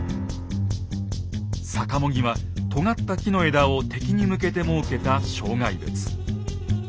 さかも木はとがった木の枝を敵に向けて設けた障害物。